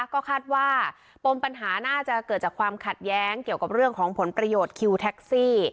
ก็คาดว่าปมปัญหาน่าจะเกิดจากความขัดแย้งเกี่ยวกับเรื่องของผลประโยชน์คิวแท็กซี่